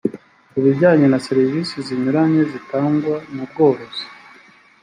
ku bijyanye na serivisi zinyuranye zitangwa mu bworozi